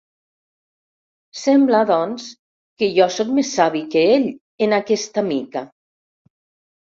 Sembla doncs, que jo sóc més savi que ell en aquesta mica: